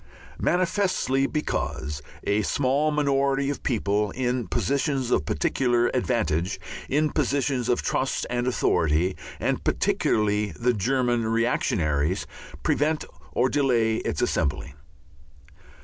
Manifestly because a small minority of people in positions of peculiar advantage, in positions of trust and authority, and particularly the German reactionaries, prevent or delay its assembling.